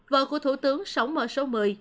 vợ của thủ tướng sống ở số một mươi